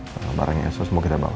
barang barang elsa semua kita bawa